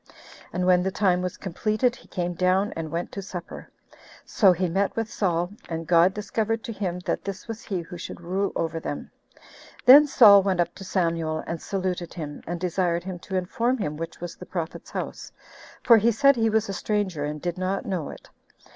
And when the time was completed, he came down and went to supper; so he met with Saul, and God discovered to him that this was he who should rule over them. Then Saul went up to Samuel and saluted him, and desired him to inform him which was the prophet's house; for he said he was a stranger and did not know it.